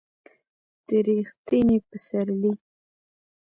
د ر یښتني پسرلي